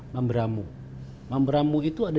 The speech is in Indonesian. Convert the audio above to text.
mamberamu mamberamu itu ada